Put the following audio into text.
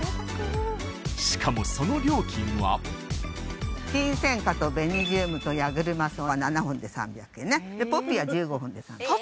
しかもその料金はキンセンカとベニジウムと矢車草は７本で３００円ねでポピーは１５本で３００円